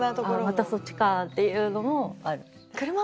またそっちかっていうのもある。